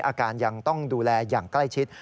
อาการยังต้องดูแลอย่างใกล้ชิด